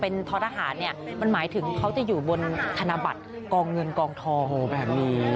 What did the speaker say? ท้อทหารเนี่ยมันหมายถึงเขาจะอยู่บนธนบัตรกองเงินกองทองแบบนี้